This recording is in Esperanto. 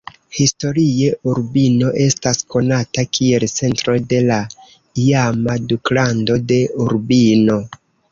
Historie, Urbino estas konata kiel centro de la iama duklando de Urbino.